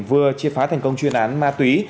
vừa chia phá thành công chuyên án ma túy